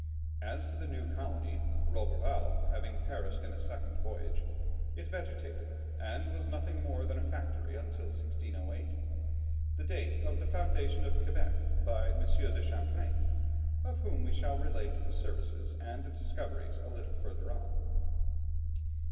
As to the new colony, Roberval having perished in a second voyage, it vegetated, and was nothing more than a factory until 1608, the date of the foundation of Quebec by M. de Champlain, of whom we shall relate the services and discoveries a little further on.